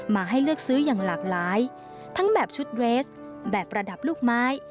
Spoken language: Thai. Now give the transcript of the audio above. มาให้เลือกซื้ออย่างหลากหลายทั้งแบบชุดเรสแบบประดับลูกไม้